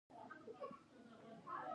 څادر يې واچاوه.